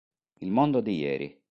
Il mondo di ieri.